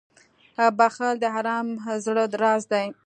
• بښل د ارام زړه راز دی.